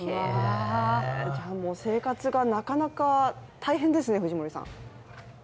じゃあもう生活がなかなか大変ですね藤森さん。